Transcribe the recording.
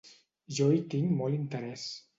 Jo hi tinc molt interès.